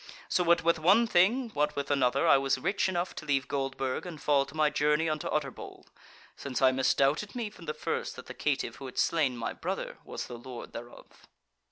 So what with one thing what with another I was rich enough to leave Goldburg and fall to my journey unto Utterbol; since I misdoubted me from the first that the caytiff who had slain my brother was the Lord thereof.